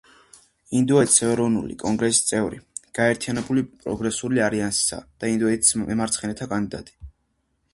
ინდოეთის ეროვნული კონგრესის წევრი; გაერთიანებული პროგრესული ალიანსისა და ინდოეთის მემარცხენეთა კანდიდატი.